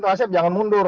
tuan asyaf jangan mundur